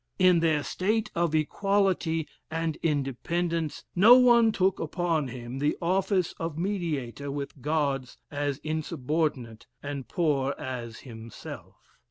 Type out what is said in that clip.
In their state of equality and independence, no one took upon him the office of mediator with Gods as insubordinate and poor as himself.